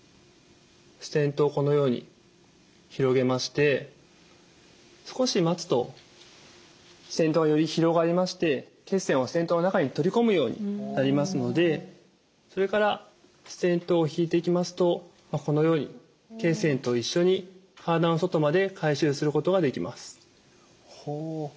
ステントをこのように広げまして少し待つとステントがより広がりまして血栓をステントの中に取り込むようになりますのでそれからステントを引いていきますとこのように血栓と一緒に体の外まで回収することができます。